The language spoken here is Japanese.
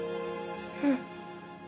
うん。